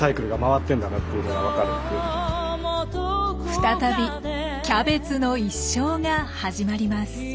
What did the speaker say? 再びキャベツの一生が始まります。